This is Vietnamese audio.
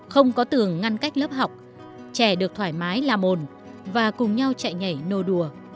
không có tường ngăn cách lớp học trẻ được thoải mái làm hồn và cùng nhau chạy nhảy nô đùa